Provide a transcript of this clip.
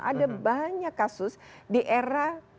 ada banyak kasus di era